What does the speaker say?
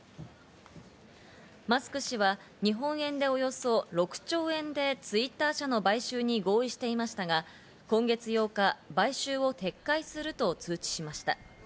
マスク氏は日本円でおよそ６兆円でＴｗｉｔｔｅｒ社の買収に合意していましたが、今月８日、買収を撤回すると通知しました。